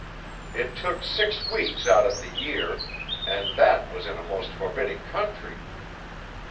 It took six weeks out of the year, and that was in a most forbidding country.